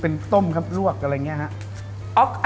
เป็นต้มครับรวกอะไรเนี่ยฮะ